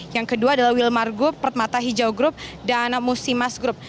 yang kedua adalah wilmargo permata hijau group dan musimas group